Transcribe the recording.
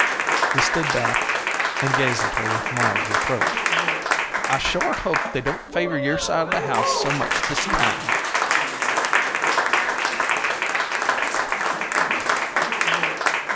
He stood back and gazed at her with mild reproach. "I shore hope they don't favor your side of the house so much this time."